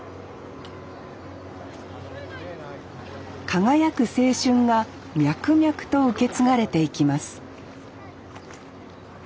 輝く青春が脈々と受け継がれていきます